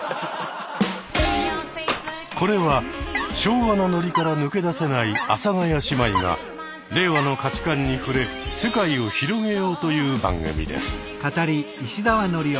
これは昭和のノリから抜け出せない阿佐ヶ谷姉妹が令和の価値観に触れ世界を広げようという番組です。